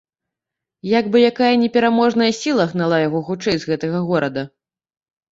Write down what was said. Як бы якая непераможная сіла гнала яе хутчэй з гэтага горада.